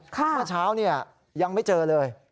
เมื่อเช้ายังไม่เจอเลย